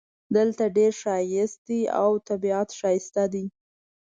دلته ډېر ښایست ده او طبیعت ښایسته ده